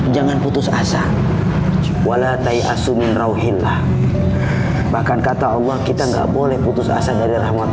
jangan putus asa walatai asumin rauhilah bahkan kata allah kita nggak boleh putus asa dari rahmat